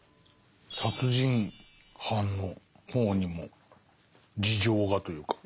殺人犯の方にも事情がというか。